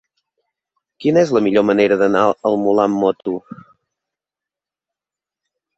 Quina és la millor manera d'anar al Molar amb moto?